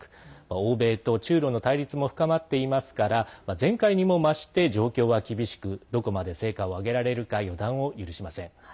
欧米と中ロの対立も深まっていますから前回にも増して状況は厳しくどこまで成果を上げられるか予断を許しません。